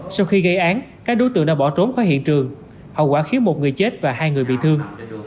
sau khi gây án các đối tượng đã bỏ trốn khỏi hiện trường hậu quả khiến một người chết và hai người bị thương